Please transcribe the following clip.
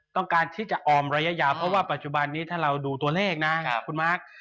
ต้องการที่จะออมระยะยาวเพราะว่าปัจจุบันนี้ถ้าเราดูตัวเลขนะคุณมาร์ค